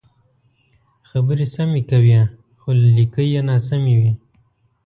خبرې سمې کوې خو لکۍ یې ناسمې وي.